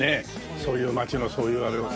そういう街のそういうあれをさ。